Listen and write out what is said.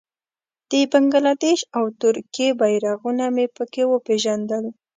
د بنګله دېش او ترکیې بېرغونه مې په کې وپېژندل.